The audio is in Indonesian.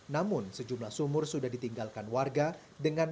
namun sejumlah sumur sudah ditinggalkan warga